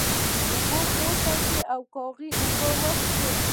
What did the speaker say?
اوبه پورته شوې او کارغه اوبه وڅښلې.